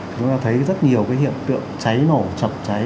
chúng ta thấy rất nhiều hiện tượng cháy nổ chập cháy